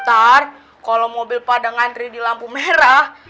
ntar kalau mobil pada ngantri di lampu merah